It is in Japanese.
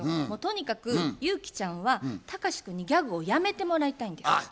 もうとにかくユウキちゃんはタカシ君にギャグをやめてもらいたいんです。